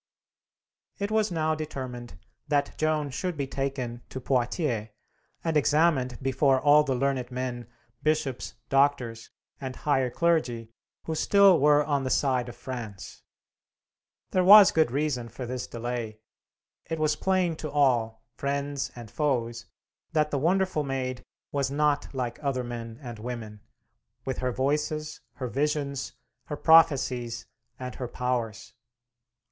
It was now determined that Joan should be taken to Poitiers, and examined before all the learned men, bishops, doctors, and higher clergy who still were on the side of France. There was good reason for this delay. It was plain to all, friends and foes, that the wonderful Maid was not like other men and women, with her Voices, her visions, her prophecies, and her powers.